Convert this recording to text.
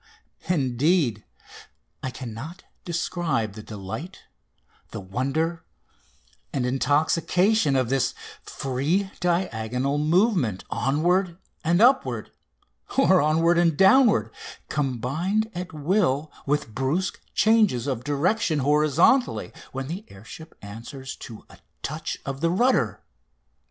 Indeed, I cannot describe the delight, the wonder, and intoxication of this free diagonal movement onward and upward or onward and downward, combined at will with brusque changes of direction horizontally when the air ship answers to a touch of the rudder!